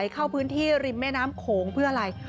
เข้าพื้นที่ริมแม่น้ำโขงเพื่ออะไร